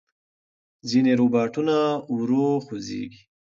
ځینې روباټونه ورو خوځېږي.